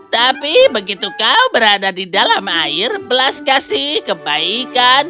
tapi begitu kau berada di dalam air belas kasih kebaikan